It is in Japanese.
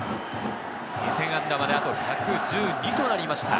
２０００安打まであと１１２となりました。